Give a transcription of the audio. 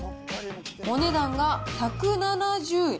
お値段が１７０円。